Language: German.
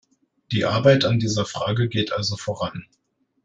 Die Arbeit an dieser Frage geht also voran.